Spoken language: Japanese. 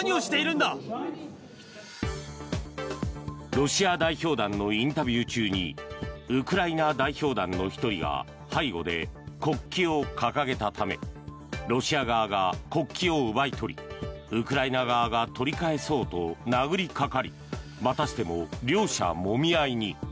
ロシア代表団のインタビュー中にウクライナ代表団の１人が背後で国旗を掲げたためロシア側が国旗を奪い取りウクライナ側が取り返そうと殴りかかりまたしても両者もみ合いに。